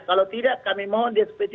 kalau tidak kami mohon di sp tiga